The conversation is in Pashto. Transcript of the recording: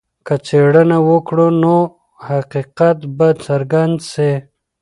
که څېړنه وکړو نو حقیقت به څرګند سي.